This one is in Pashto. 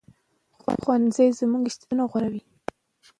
ښوونځی زموږ استعدادونه غوړوي